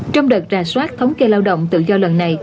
trong đợt ra soát thống kê lao động tự do lần này